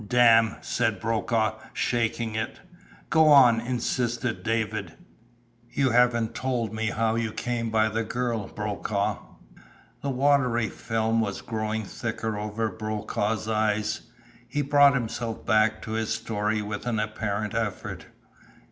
"Dam'!" said Brokaw, shaking it. "Go on," insisted David. "You haven't told me how you came by the girl, Brokaw?" The watery film was growing thicker over Brokaw's eyes. He brought himself back to his story with an apparent effort.